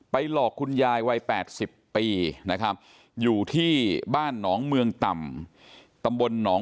หลอกคุณยายวัย๘๐ปีนะครับอยู่ที่บ้านหนองเมืองต่ำตำบลหนอง